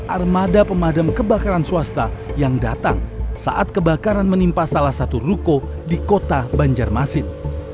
armada pemadam kebakaran swasta yang datang saat kebakaran menimpa salah satu ruko di kota banjarmasin